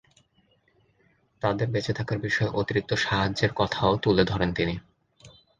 তাদের বেঁচে থাকার বিষয়ে অতিরিক্ত সাহায্যের কথাও তুলে ধরেন তিনি।